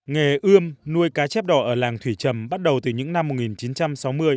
nghề ươm nuôi cá chép đỏ ở làng thủy trầm bắt đầu từ những năm một nghìn chín trăm sáu mươi